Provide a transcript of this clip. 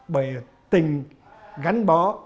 bởi tình gắn bó